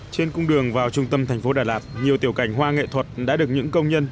trên cung đường vào trung tâm thành phố đà lạt nhiều tiểu cảnh hoa nghệ thuật đã được những công nhân